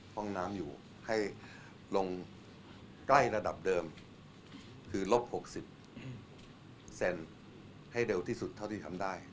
ห้องน้ำอยู่ให้ลงใกล้ระดับเดิมคือลบ๖๐เซนให้เร็วที่สุดเท่าที่ทำได้